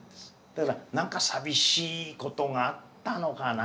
だから何か淋しいことがあったのかな？